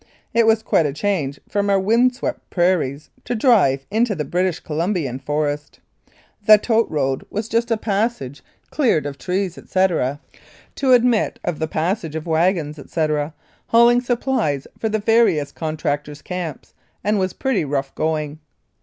It was quite a change from our windswept prairies to drive into the British Colum bian forest. The "tote " road was just a passage cleared 74 1890 97. Lethbridge of trees, etc., to admit of the passage of wagons, etc., hauling supplies for the various contractors' camps, and was pretty rough going.